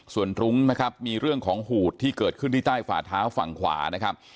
ส่วนรุ้งนะครับมีเรื่องของหูดที่เกิดขึ้นที่ใต้ฝาเท้าฝั่งขวานะครับ